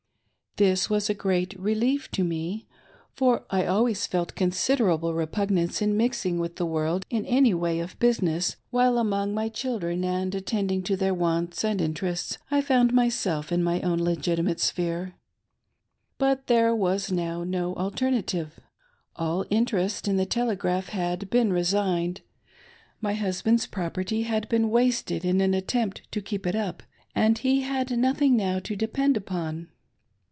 This was a great relief to me, for I always felt considerable repugnance to mixing with the world in the way of business, while among my children arid attending to their wants and interests I found myself in my own legitimate sphere. But there was now no alternative. All interest in the Telegraph had been resigned ; my hus band's property had been wasted in an attempt to keep it up, and he had nothing now to depend upon.